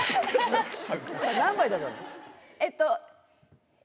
えっと。